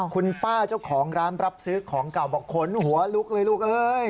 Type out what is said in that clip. คุณป้าเจ้าของร้านรับซื้อของเก่าบอกขนหัวลุกเลยลูกเอ้ย